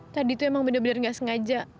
tadi tuh emang bener bener gak sengaja